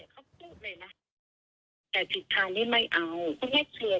ข้าสมมติว่าเขาพูดเลยนะ